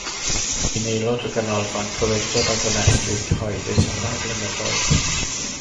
Bu'n aelod o Ganolfan Cywirdeb a Gonestrwydd Cyhoeddus am rai blynyddoedd.